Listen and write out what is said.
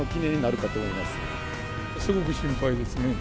すごく心配ですね。